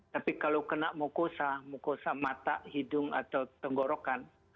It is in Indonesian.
tapi kalau kena mukosa mukosa mata hidung atau tenggorokan